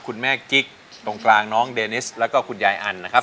คุณแม่กิ๊กตรงกลางน้องเดนิสแล้วก็คุณยายอันนะครับ